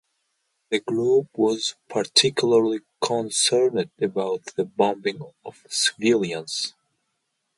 The group was particularly concerned about the bombing of civilians.